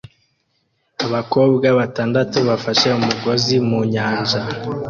abakobwa batandatu bafashe umugozi mu nyanja